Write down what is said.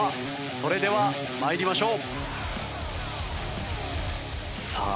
それでは参りましょう。